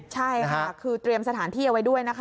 ใช่ค่ะคือเตรียมสถานที่เอาไว้ด้วยนะคะ